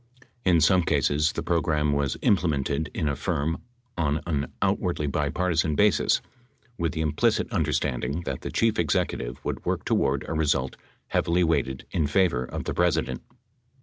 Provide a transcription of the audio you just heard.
In some cases the program was implemented in a firm on an out wardly bipartisan basis, with the implicit understanding that the chief executive would work toward a result heavily weighted in favor of the President.